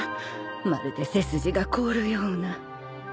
まるで背筋が凍るような。